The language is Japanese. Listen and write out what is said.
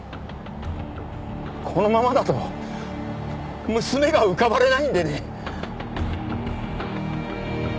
このままだと娘が浮かばれないんでね。